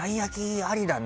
ありだな。